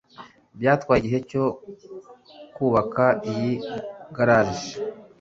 Byatwaye igihe cyo kubaka iyi garage.